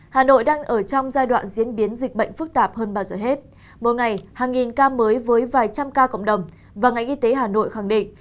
hàng nghìn ca mới với vài trăm ca cộng đồng và ngành y tế hà nội khẳng định